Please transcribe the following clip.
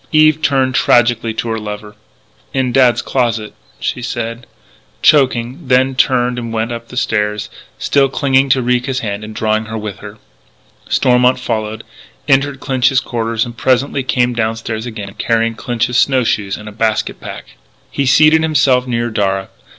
Eve turned tragically to her lover: "In Dad's closet " she said, choking; then turned and went up the stairs, still clinging to Ricca's hand and drawing her with her. Stormont followed, entered Clinch's quarters, and presently came downstairs again, carrying Clinch's snow shoes and a basket pack. He seated himself near Darragh.